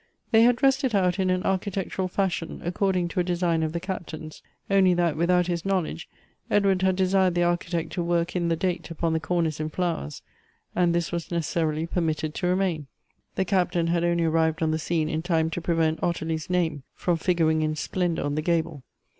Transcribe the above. They had dressed it out in an architectural fashion, according to a design of the Captain's; only that, without his knowledge, Edward had desired the Architect to work in the date upon the cornice in flowers, and this was necessarily per mitted to remain. The Captain had only arrived on the scene in time to prevent Ottilie's name from figuring in splendor on the gable.